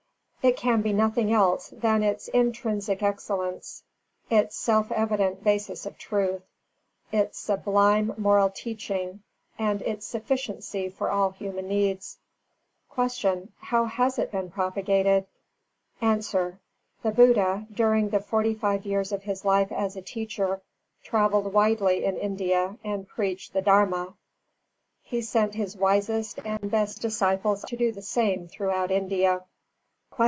It can be nothing else than its intrinsic excellence: its self evident basis of truth, its sublime moral teaching, and its sufficiency for all human needs. 283. Q. How has it been propagated? A. The Buddha, during the forty five years of his life as a Teacher, travelled widely in India and preached the Dharma. He sent his wisest and best disciples to do the same throughout India. 284.